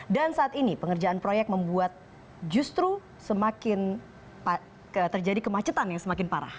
dan saat ini pengerjaan proyek membuat justru semakin terjadi kemacetan yang semakin parah